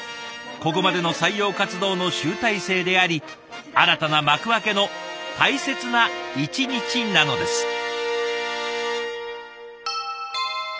ここまでの採用活動の集大成であり新たな幕開けの大切な一日なのです。